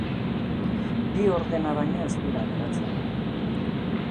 Bi ordena baino ez dira geratzen.